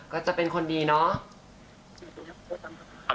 ก็จะเป็นคนดีเนาะ